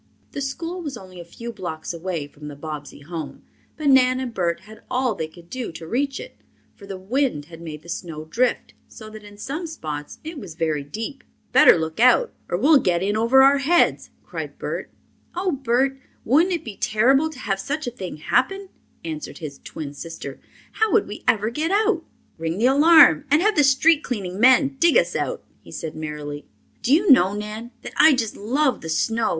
The school was only a few blocks away from the Bobbsey home, but Nan and Bert had all they could do to reach it, for the wind had made the snow drift, so that in some spots it was very deep. "Better look out or we'll get in over our heads," cried Bert. "Oh, Bert, wouldn't it be terrible to have such a thing happen!" answered his twin sister. "How would we ever get out?" "Ring the alarm and have the street cleaning men dig us out," he said merrily. "Do you know, Nan, that I just love the snow.